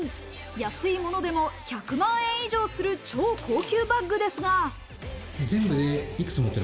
安いものでも１００万円以上する超高級バッグですが。